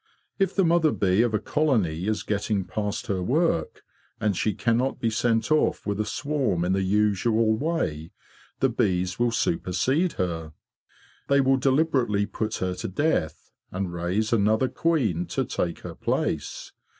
If the mother bee of a colony is getting past her work, and she cannot be sent off with a swarm in the usual way, the bees will supersede her. They will deliberately put her to death, and raise another queen to take her place.